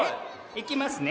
いきますね。